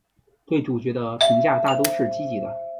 对主角的评价大都是积极的。